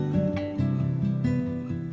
setelah menetas tukiknya sudah berubah